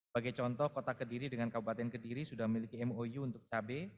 bagi contoh kota kediri dengan kabupaten kediri sudah memiliki mou untuk cabai